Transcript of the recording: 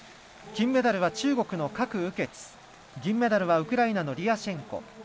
金メダルは中国の郭雨潔銀メダルはウクライナのリアシェンコ。